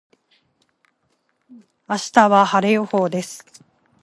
明日は晴れ予報です。